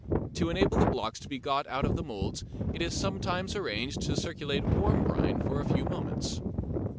To enable the blocks to be got out of the moulds it is sometimes arranged to circulate warm brine for a few moments.